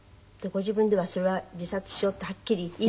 ご自分ではそれは自殺しようってはっきり。